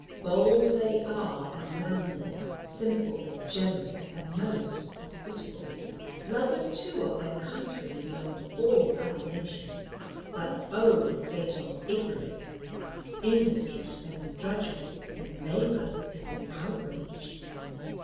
Bold they are, and manly, simple, generous, and most hospitable, lovers too of their country beyond all other nations; but oh fatal ignorance industry to them is drudgery; and labour is an outrage.